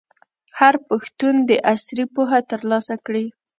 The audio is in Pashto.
هر پښتون دي عصري پوهه ترلاسه کړي.